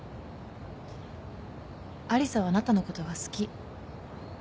アリサはあなたのことが好き。